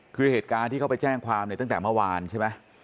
คือเหตุการณ์ที่เขาไปแจ้งความเนี่ยตั้งแต่เมื่อวานใช่ไหม